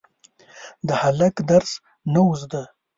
د هلک درس نه و زده.